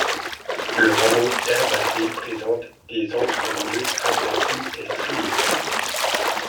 Le rameau herbacé présente des entre-nœuds aplatis et striés.